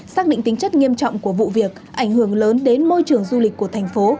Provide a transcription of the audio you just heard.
xác định tính chất nghiêm trọng của vụ việc ảnh hưởng lớn đến môi trường du lịch của thành phố